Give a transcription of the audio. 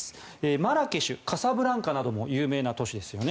マラケシュ、カサブランカなども有名な都市ですよね。